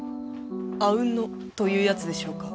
「あうんの」というやつでしょうか。